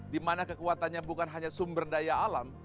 dimana kekuatannya bukan hanya sumber daya alam